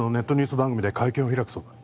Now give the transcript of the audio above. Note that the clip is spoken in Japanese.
番組で会見を開くそうだ